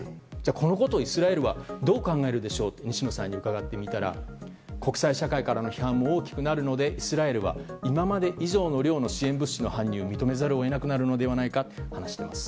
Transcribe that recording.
このことをイスラエルはどう考えるでしょうと西野さんに伺ってみたら国際社会からの批判も大きくなるので、イスラエルは今まで以上の量の支援物資の搬入を認めざるを得なくなるのではと話しています。